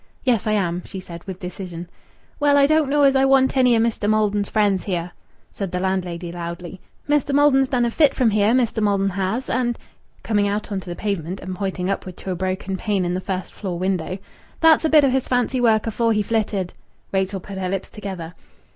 "Yes, I am," she said, with decision. "Well, I don't know as I want any o' Mester Maldon's friends here," said the landlady loudly. "Mester Maldon's done a flit from here, Mester Maldon has; and," coming out on to the pavement and pointing upward to a broken pane in the first floor window, "that's a bit o' his fancy work afore he flitted!" Rachel put her lips together.